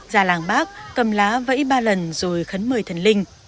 gia lang bác cầm lá vẫy ba lần rồi khấn mời thần linh